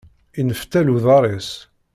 Inneftal uḍaṛ-is.